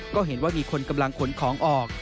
ก็เห็นว่ามีคนกำลังขนของออก